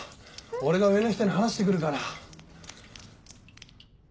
俺が上の人に話して来るから。